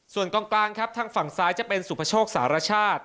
ส่วนกองกลางครับทางฝั่งซ้ายจะเป็นสุภโชคสารชาติ